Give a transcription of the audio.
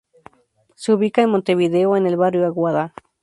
Se ubica en Montevideo, en el Barrio Aguada.